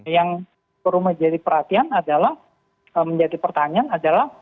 yang perlu menjadi perhatian adalah menjadi pertanyaan adalah